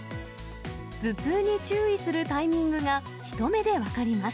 頭痛に注意するタイミングが一目で分かります。